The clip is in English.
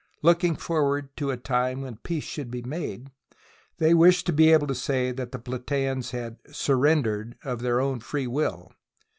Looking forward to a time when peace should be made, they wished to be able to say that the Platseans had " sur rendered " of their own free will.